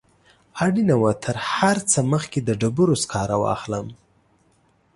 اړینه وه تر هر څه مخکې د ډبرو سکاره واخلم.